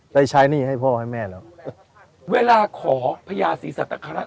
ได้ใช้หนี้ให้พ่อให้แม่แล้วเวลาขอพระยาศีสัตว์ธรรมนักฮาราช